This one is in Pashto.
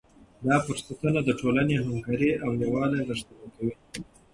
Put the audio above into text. دا فرصتونه د ټولنې همکاري او یووالی غښتلی کوي.